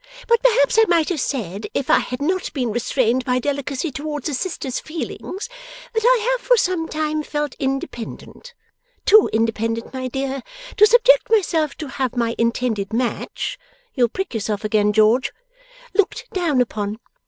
'But perhaps I might have said, if I had not been restrained by delicacy towards a sister's feelings, that I have for some time felt independent; too independent, my dear, to subject myself to have my intended match (you'll prick yourself again, George) looked down upon.